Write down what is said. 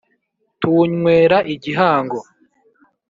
Tuwunywera igihango